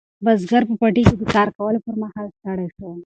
بزګر په پټي کې د کار کولو پر مهال ستړی شو.